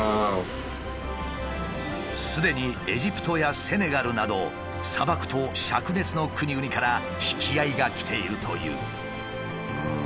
すでにエジプトやセネガルなど砂漠と灼熱の国々から引き合いが来ているという。